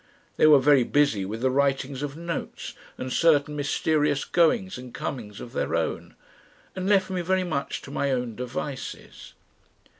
They were very busy with the writings of notes and certain mysterious goings and comings of their own, and left me very much to my own devices.